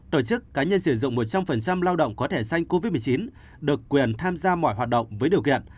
tổ chức cá nhân sử dụng một trăm linh lao động có thẻ xanh covid một mươi chín được quyền tham gia mọi hoạt động với điều kiện